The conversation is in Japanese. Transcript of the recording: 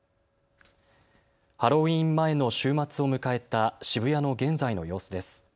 ハロウィーン前の週末を迎えた渋谷の現在の様子です。